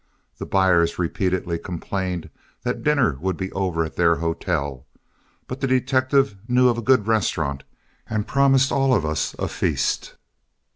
The buyers repeatedly complained that dinner would be over at their hotel, but the detective knew of a good restaurant and promised all of us a feast.